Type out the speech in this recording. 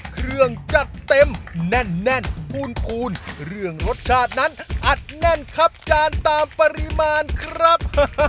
เครื่องจัดเต็มแน่นแน่นปูนเรื่องรสชาตินั้นอัดแน่นครับจานตามปริมาณครับ